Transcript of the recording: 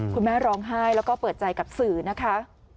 คุณแม่ร้องไห้แล้วก็เปิดใจกับสื่อนะคะ